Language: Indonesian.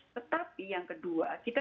tetapi yang kedua kita